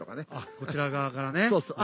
こちら側からね。